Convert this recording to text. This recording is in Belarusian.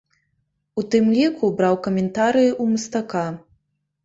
У тым ліку браў каментарыі ў мастака.